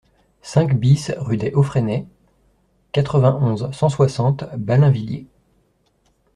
cinq BIS rue des Hauts Fresnais, quatre-vingt-onze, cent soixante, Ballainvilliers